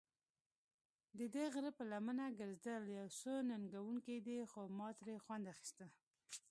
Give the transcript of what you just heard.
ددې غره پر لمنه ګرځېدل یو څه ننګوونکی دی، خو ما ترې خوند اخیسته.